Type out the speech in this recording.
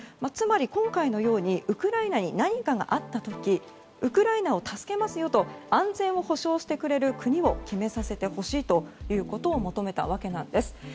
つまり、今回のようにウクライナに何かがあった時ウクライナを助けますよと安全を保障してくれる国を決めさせてほしいということを求めたわけです。